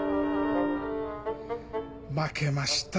負けました。